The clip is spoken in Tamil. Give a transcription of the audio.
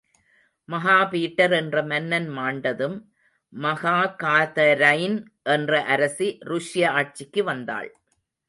மகாபீட்டர் என்ற மன்னன் மாண்டதும் மகாகாதரைன் என்ற அரசி ருஷ்ய ஆட்சிக்கு வந்தாள்.